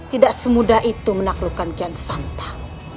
tidak semudah itu menaklukkan kian santa